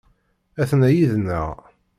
Aten-a yid-neɣ.